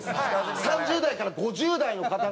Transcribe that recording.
３０代から５０代の方が。